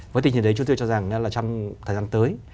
với tình hình đấy chúng tôi cho rằng là trong thời gian tới